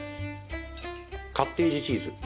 カッテージチーズ。